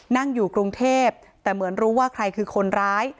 นั่งอยู่กรุงเทพแต่เหมือนรู้ว่าใครคือคนร้าย